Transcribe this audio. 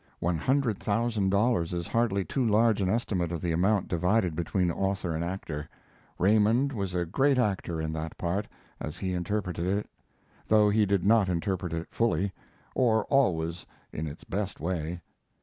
One hundred thousand dollars is hardly too large an estimate of the amount divided between author and actor. Raymond was a great actor in that part, as he interpreted it, though he did not interpret it fully, or always in its best way.